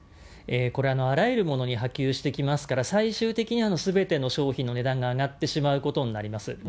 これ、あらゆるものに波及してきますから、最終的にすべての商品の値段が上がってしまうことになります。